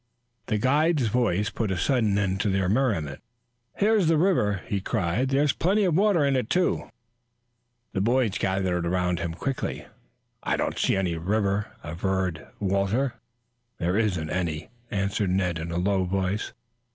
The guide's voice put a sudden end to their merriment. "Here's the river," he cried. "There is plenty of water in it, too." The boys gathered about him quickly. "I don't see any river," averred Walter. "There isn't any," answered Ned, in a low voice.